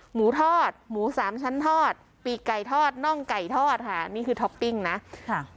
หมูทอดหมูสามชั้นทอดปีกไก่ทอดน่องไก่ทอดค่ะนี่คือท็อปปิ้งนะค่ะ